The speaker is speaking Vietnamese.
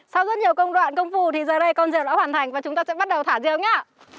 sau rất nhiều công đoạn công phu thì giờ đây con rìu đã hoàn thành và chúng ta sẽ bắt đầu thả rìu nhé